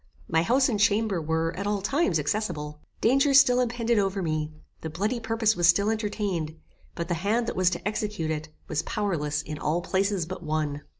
My house and chamber were, at all times, accessible. Danger still impended over me; the bloody purpose was still entertained, but the hand that was to execute it, was powerless in all places but one!